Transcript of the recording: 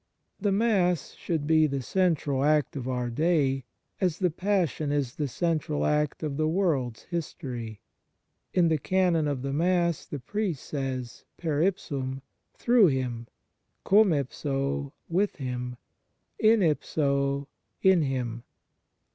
The Mass should be the central act of our day, as the Passion is the central act of the world s history. In the Canon of the Mass the priest says: per ipsnm, through Him ; cum ipso, with Him ; in ipso, in Him.